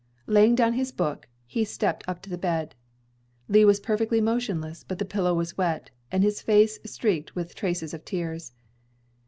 Laying down his book, he stepped up to the bed. Lee was perfectly motionless, but the pillow was wet, and his face streaked with traces of tears.